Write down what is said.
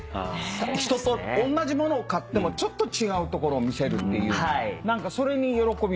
人とおんなじものを買ってもちょっと違うところを見せるっていう何かそれに喜びを感じるんだよね？